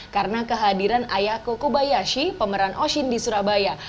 karena kehadiran ayako kobayashi pemeran oshin di surabaya